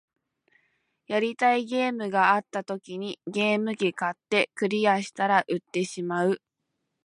やりたいゲームがあった時にゲーム機買って、クリアしたら売ってしまう